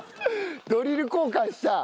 ドリル交換した。